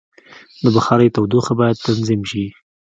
د بخارۍ تودوخه باید تنظیم شي.